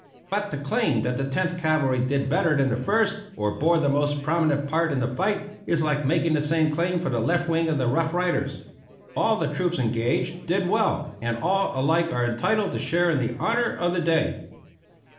But to claim that the Tenth Cavalry did better than the First, or bore the most prominent part in the fight, is like making the same claim for the left wing of the Rough Riders. All the troops engaged did well, and all alike are entitled to share in the honor of the day.